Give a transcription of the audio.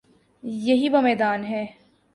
یہی وہ میدان ہے۔